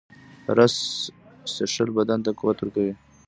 رس څښل بدن ته قوت ورکوي